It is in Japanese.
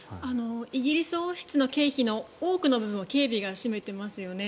イギリス王室の経費の多くの部分を警備が占めていますよね。